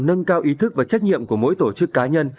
nâng cao ý thức và trách nhiệm của mỗi tổ chức cá nhân